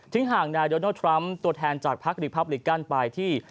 ทิ้งห่างนายโดนัลด์ทรัมป์ตัวแทนจากพลักษณ์ริปรับิกันไปที่